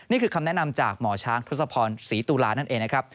นี่คือคำแนะนำจากหมอช้างทศพรศรีตุลานั่นเองนะครับ